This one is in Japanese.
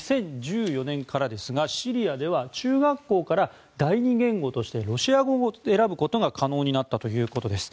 ２０１４年からですがシリアでは中学校から第２言語としてロシア語を選ぶことが可能になったということです。